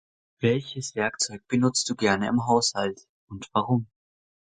Welches Werkzeug benutzt du gerne im Haushalt und warum?